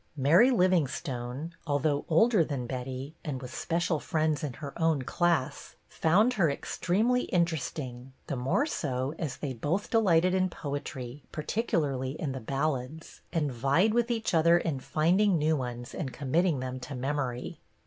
Mary Livingstone, although older than Betty and with special friends in her own class, found her extremely interesting, the more so as they both delighted in poetry, particularly in the ballads, and vied with each other in finding new ones and committing them to memory.